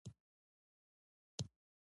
دا په عام او خاص حکم ویشل شوی.